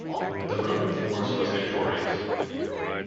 The Roman force was victorious.